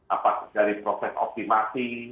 apakah dari proses optimasi